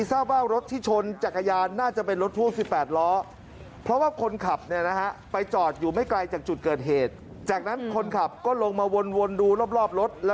เศร้าว่ารถที่ชนจักรยานน่าจะเป็นรถพ่วง๑๘ล้อ